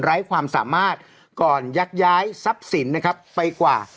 ไร้ความสามารถก่อนยักย้ายทรัพย์สินนะครับไปกว่า